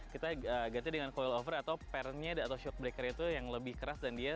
kita ganti dengan coilover atau parentnya atau shock breaker itu yang lebih keras dan dia